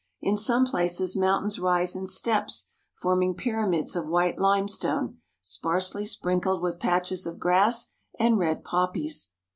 In some places mountains rise in steps forming pyramids of white lime stone, sparsely sprinkled with patches of grass and red poppies.